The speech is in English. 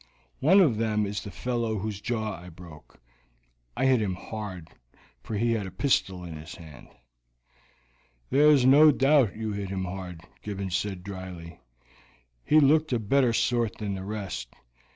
One of them is the fellow whose jaw I broke; I hit him hard, for he had a pistol in his hand." "There is no doubt you hit him hard," Gibbons said dryly. "He looked a better sort than the rest."